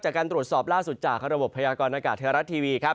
จากการตรวจสอบล่าสุดจากระบบพยากรณากาศไทยรัฐทีวีครับ